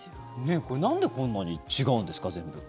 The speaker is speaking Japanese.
なんでこんなに違うんですか、全部。